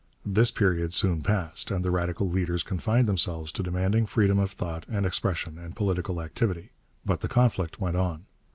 This period soon passed, and the radical leaders confined themselves to demanding freedom of thought and expression and political activity; but the conflict went on.